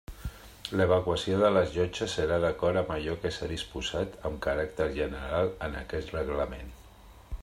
L'evacuació de les llotges serà d'acord amb allò que s'ha disposat, amb caràcter general, en aquest Reglament.